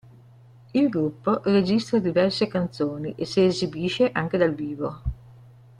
Il gruppo registra diverse canzoni e si esibisce anche dal vivo.